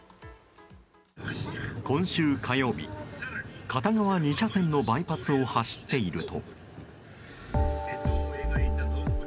今週火曜日、片側２車線のバイパスを走っていると。